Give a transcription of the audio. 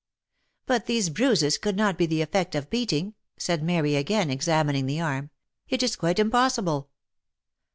"But these bruises could not be the effect of beating," said Mary, again examining the arm, " it is quite impossible."